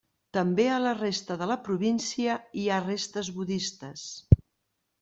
També a la resta de la província hi ha restes budistes.